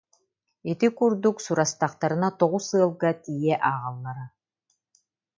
Ити курдук сурастахтарына тоҕус ыалга тиийэ ааҕаллара